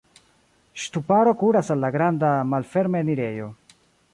Ŝtuparo kuras al la granda malferme enirejo.